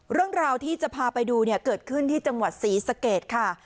เรื่องราวที่จะพาไปดูเนี่ยเกิดขึ้นที่จังหวัดศรีสะเกดค่ะ